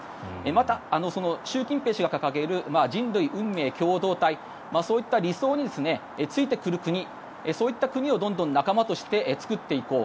また、習近平氏が掲げる人類運命共同体そういった理想についてくる国そういった国をどんどん仲間として作っていこう。